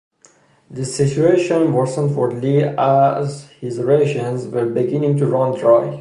The situation worsened for Li as his rations were beginning to run dry.